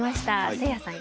せいやさん